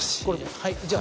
はいじゃあ。